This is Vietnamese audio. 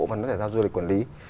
vẫn có thể giao du lịch quản lý